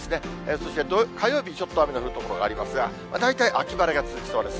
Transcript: そして火曜日にちょっと雨の降る所がありますが、大体秋晴れが続きそうです。